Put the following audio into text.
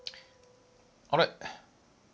あれ？